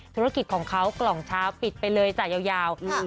ธุรกิจของเขากล่องเช้าปิดไปเลยจ้ะยาว